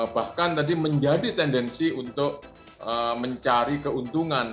bahkan tadi menjadi tendensi untuk mencari keuntungan